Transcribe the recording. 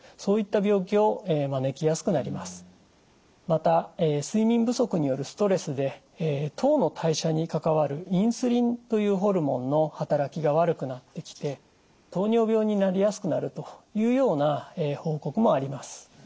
また睡眠不足によるストレスで糖の代謝に関わるインスリンというホルモンの働きが悪くなってきて糖尿病になりやすくなるというような報告もあります。